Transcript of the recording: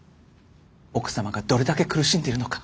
奥様がどれだけ苦しんでいるのか。